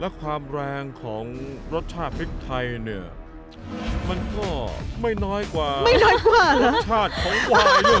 และความแรงของรสชาติพริกไทยเนี่ยมันก็ไม่น้อยกว่ารสชาติของวายเลย